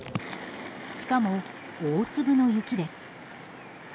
しかも大粒の雪です。